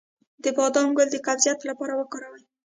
د بادام ګل د قبضیت لپاره وکاروئ